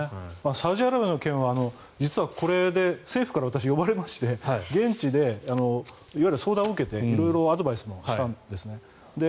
サウジアラビアの件は実はこれで政府から私、呼ばれまして現地でいわゆる相談を受けて色々アドバイスもしたんですね。